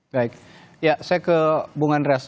baik ya saya ke bung andreas